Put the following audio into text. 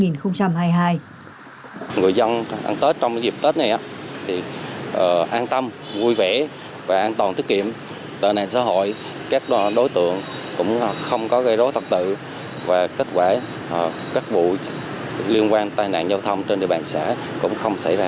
người dân ăn tết trong dịp tết này thì an tâm vui vẻ và an toàn tiết kiệm tai nạn xã hội các đối tượng cũng không có gây rối tật tự và kết quả các vụ liên quan tai nạn giao thông trên địa bàn xã cũng không xảy ra